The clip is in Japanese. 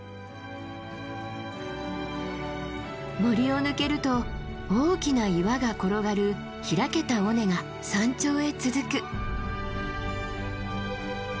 森を抜けると大きな岩が転がる開けた尾根が山頂へ続く。